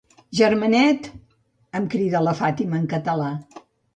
Germanet! —em crida la Fàtima en català.